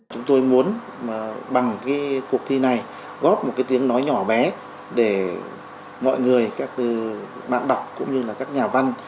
chúng tôi muốn bằng cuộc thi này góp một tiếng nói nhỏ bé để mọi người các bạn đọc cũng như các nhà văn